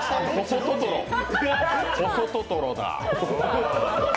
細トトロだ。